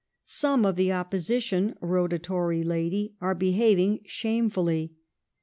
" Some of the Opposition," wrote a Tory lady, "are behaving shamefully."